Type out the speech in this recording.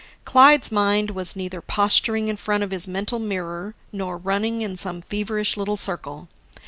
Clyde's mind was neither posturing in front of his mental mirror nor running in some feverish little circle.